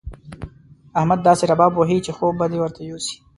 احمد داسې رباب وهي چې خوب به دې ورته يوسي.